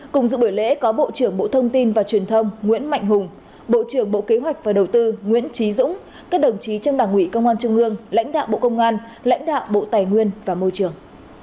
cùng dự buổi lễ có bộ trưởng bộ thông tin và truyền thông nguyễn mạnh hùng bộ trưởng bộ kế hoạch và đầu tư nguyễn trí dũng các đồng chí trong đảng ủy công an trung ương lãnh đạo bộ công an lãnh đạo bộ tài nguyên và môi trường